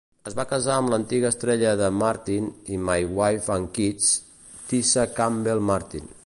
Es va casar amb l'antiga estrella de "Martin" i "My Wife and Kids" Tisha Campbell-Martin.